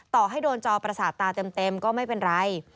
ต่อให้โดนจอประสาทตาเต็มก็ไม่เป็นไร